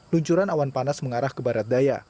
luncuran awan panas mengarah ke barat daya